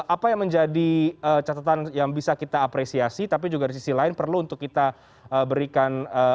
apa yang menjadi catatan yang bisa kita apresiasi tapi juga di sisi lain perlu untuk kita berikan